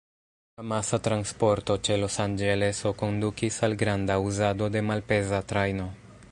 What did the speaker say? Amasa transporto ĉe Los Anĝeleso kondukis al granda uzado de malpeza trajno.